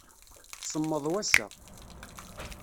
Semmeḍ wass-a.